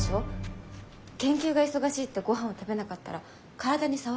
研究が忙しいってごはんを食べなかったら体に障ります。